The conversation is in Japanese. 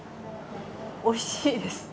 おいしいです。